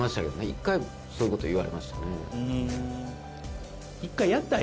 一回そういう事を言われましたね。